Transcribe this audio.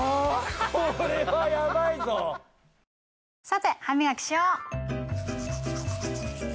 さて歯磨きしよう。